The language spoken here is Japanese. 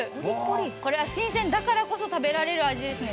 これは新鮮だからこそ食べられる味ですね。